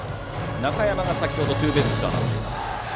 中山は先程ツーベースヒットを放っています。